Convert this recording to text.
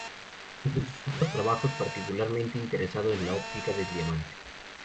Entre sus otros trabajos, estuvo particularmente interesado en la óptica del diamante.